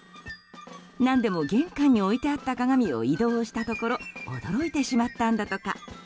何でも、玄関に置いてあった鏡を移動したところ驚いてしまったんだとか。